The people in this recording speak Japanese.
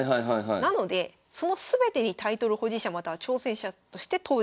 なのでその全てにタイトル保持者または挑戦者として登場。